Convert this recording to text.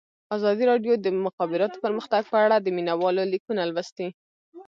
ازادي راډیو د د مخابراتو پرمختګ په اړه د مینه والو لیکونه لوستي.